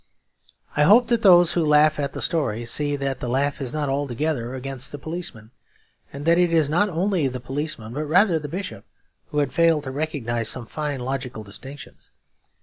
I hope that those who laugh at the story see that the laugh is not altogether against the policeman; and that it is not only the policeman, but rather the bishop, who had failed to recognise some fine logical distinctions.